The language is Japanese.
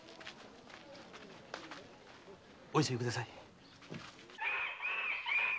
お急ぎください。